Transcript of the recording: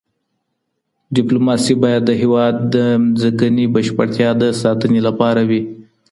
ډیپلوماسي باید د هېواد د ځمکني بشپړتیا د ساتني لپاره وي.